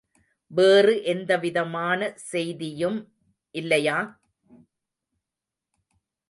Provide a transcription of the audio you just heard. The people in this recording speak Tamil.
வேறு எந்தவிதமான செய்தியும் இல்லையா?